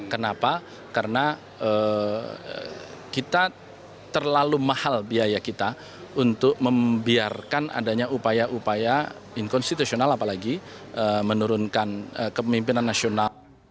kenapa karena kita terlalu mahal biaya kita untuk membiarkan adanya upaya upaya inkonstitusional apalagi menurunkan kepemimpinan nasional